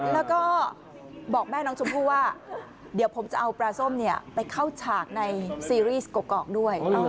แล้วก็บอกแม่น้องชมพู่ว่าเดี๋ยวผมจะเอาปลาส้มไปเข้าฉากในซีรีส์กรอกด้วย